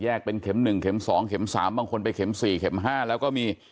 เป็นเข็ม๑เข็ม๒เข็ม๓บางคนไปเข็ม๔เข็ม๕แล้วก็มี